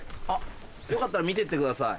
よかったら見てってください。